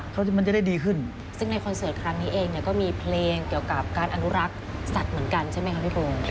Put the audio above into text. ซึ่งในคอนเสิร์ตครั้งนี้เองก็มีเพลงเกี่ยวกับการอนุรักษ์สัตว์เหมือนกันใช่ไหมครับพี่โปรง